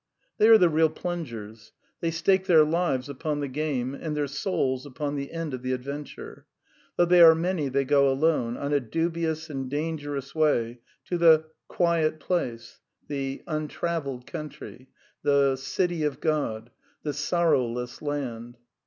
They are the real plungers. They stake their lives upon Uie game and their souls upon the end of the adven ture. Though they are many they go alone, on a dubious \and dangerous way, to the ^^ quiet place," the "untrav elled country," the "City of God," "The Sorrowless Land."